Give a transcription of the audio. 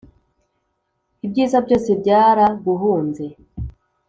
ibyiza byose byaraguhunze